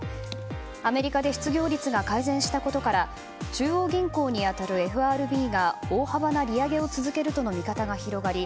アメリカで失業率が改善したことから中央銀行に当たるＦＲＢが大幅な利上げを続けるとの見方が広がり